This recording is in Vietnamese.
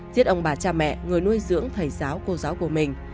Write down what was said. giết ông bà cha mẹ người nuôi dưỡng thầy giáo cô giáo của mình